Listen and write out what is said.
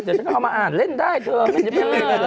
เดี๋ยวก็เอามาอ่านเล่นได้เธอ